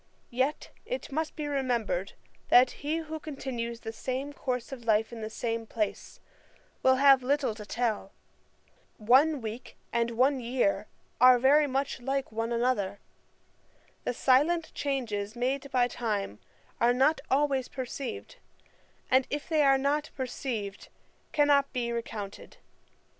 Yet it must be remembered, that he who continues the same course of life in the same place, will have little to tell. One week and one year are very like one another. The silent changes made by time are not always perceived; and if they are not perceived, cannot be recounted.